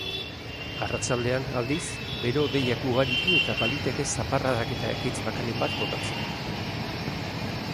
Arratsaldean aldiz, bero-hodeiak ugaritu eta baliteke zaparradak eta ekaitz bakanen bat botatzea.